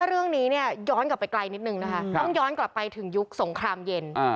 เรื่องนี้เนี่ยย้อนกลับไปไกลนิดนึงนะคะต้องย้อนกลับไปถึงยุคสงครามเย็น